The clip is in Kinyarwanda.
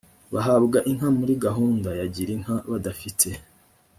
bahabwa inka muri gahunda ya girinka badafite